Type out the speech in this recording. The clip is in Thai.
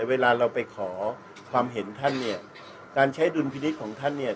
เวลาเราไปขอความเห็นท่านเนี่ยการใช้ดุลพินิษฐ์ของท่านเนี่ย